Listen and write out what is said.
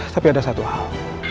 tapi ada satu hal